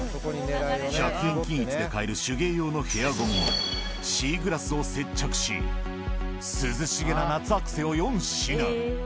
１００円均一で買える手芸用のヘアゴムにシーグラスを接着し、涼しげな夏アクセを４品。